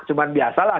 cuma biasa lah